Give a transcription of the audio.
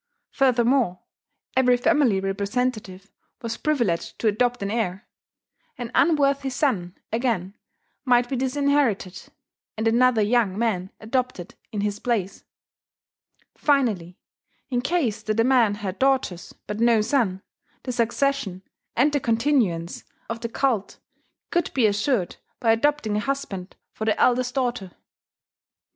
Furthermore, every family representative was privileged to adopt an heir. An unworthy son, again, might be disinherited, and another young man adopted in his place. Finally, in case that a man had daughters but no son, the succession and the continuance of the cult could be assured by adopting a husband for the eldest daughter.